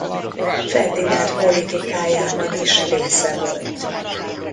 Ferdinánd politikájában is része volt.